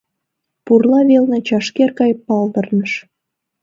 Пурла велне чашкер гай палдырныш.